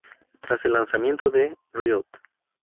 Tras el lanzamiento de "Riot!